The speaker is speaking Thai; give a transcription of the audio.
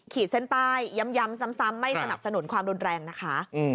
ขีดเส้นใต้ย้ำซ้ำไม่สนับสนุนความรุนแรงนะคะ